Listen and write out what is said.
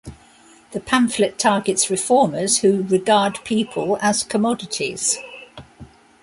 The pamphlet targets reformers who "regard people as commodities".